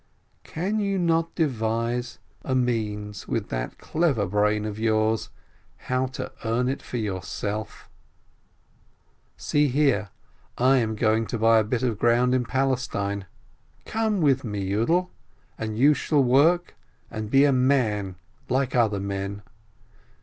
Can you not devise a means, with that clever brain of yours, how to earn it for yourself? See here, I am going to buy a bit of ground in Palestine, come with me, Yiidel, and you shall work, and be a man like other men.